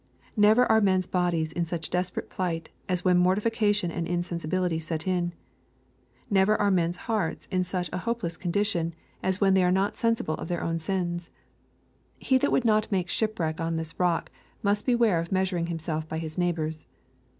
Never are men's bodies in such desperate plight, as when mortification and insensibility set in. Never are men's hearts in such a hopeless condition, aa LUKE, CHAP. XVIII. 261 when they are not sensible cf their own sins. He that would not make shipwreck on this rock, must beware of measuring himself by his neighbors.